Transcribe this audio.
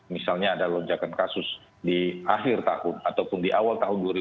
misalnya ada lonjakan kasus di akhir tahun ataupun di awal tahun dua ribu dua puluh